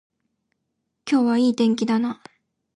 今日はいい天気だな